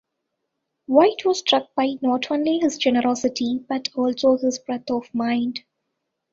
White was struck by not only his generosity, but also "his breadth of mind".